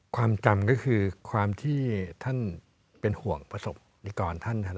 ความจำก็คือความที่ท่านเป็นห่วงประสบนิกรท่าน